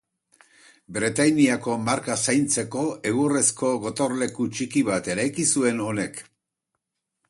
Bretainiako marka zaintzeko egurrezko gotorleku txiki bat eraiki zuen honek.